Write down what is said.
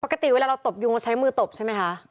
ปกติเวลาเราตบยุงเราใช้มือตบใช่ไหมคะ